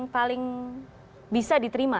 paling bisa diterima